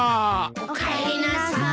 おかえりなさい。